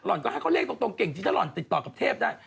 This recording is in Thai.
ก็ให้เขาเรียกตรงเก่งจริงถ้าหล่อนติดต่อกับเทพได้